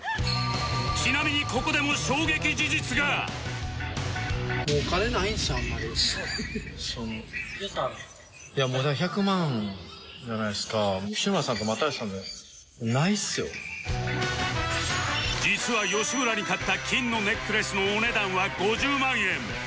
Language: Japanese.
ちなみに実は吉村に買った金のネックレスのお値段は５０万円